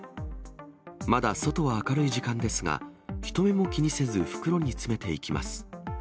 まだ外は明るい時間ですが、人目も気にせず、袋に詰めていきます。